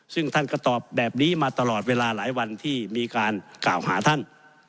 ซึ่งท่านก็ตอบแบบนี้มาตลอดเวลาหลายวันที่มีการกล่าวหาท่าน